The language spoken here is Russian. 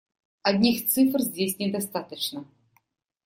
Одних цифр здесь недостаточно.